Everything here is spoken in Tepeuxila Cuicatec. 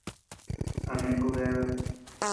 A neʼe kubdeabea.